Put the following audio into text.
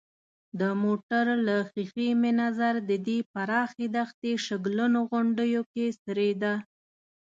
د موټر له ښېښې مې نظر د دې پراخې دښتې شګلنو غونډیو کې څرېده.